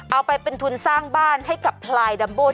เอาไปเป็นทุนสร้างบ้านให้กับพลายดัมโบ้